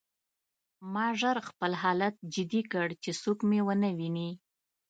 ما ژر خپل حالت جدي کړ چې څوک مې ونه ویني